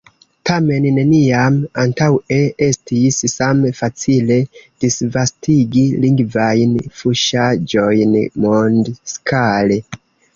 Tamen, neniam antaŭe estis same facile disvastigi lingvajn fuŝaĵojn mondskale.